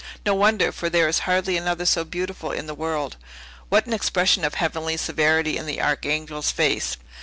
"No wonder; for there is hardly another so beautiful in the world. What an expression of heavenly severity in the Archangel's face!